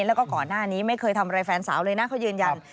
แล้วก็ก่อนหน้านี้ไม่เคยทำอะไรแฟนสาวเลยนะเขายืนยัน